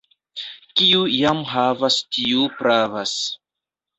Kiu jam havas, tiu pravas.